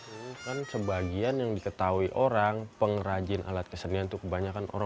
ini kan sebagian yang diketahui orang pengrajin alat kesenian itu kebanyakan orang